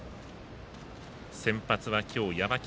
先発は今日、山北。